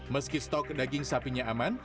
meski stok daging sapinya aman